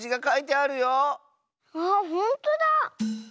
あほんとだ。